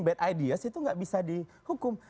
bad ideas itu gak bisa dihukum